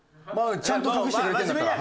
ちゃんと隠してくれてるんだったら。